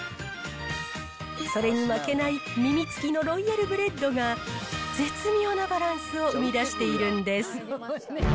それに負けない耳付きのロイヤルブレッドが、絶妙なバランスを生み出しているんです。